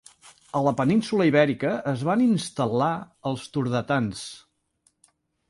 A la península Ibèrica es van instal·lar els turdetans.